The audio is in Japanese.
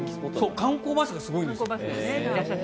観光バスがすごいんですって。